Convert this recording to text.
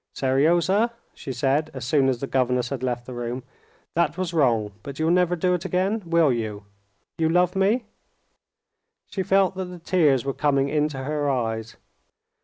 "Seryozha," she said, as soon as the governess had left the room, "that was wrong, but you'll never do it again, will you?... You love me?" She felt that the tears were coming into her eyes.